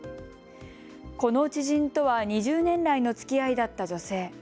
この知人とは２０年来のつきあいだった女性。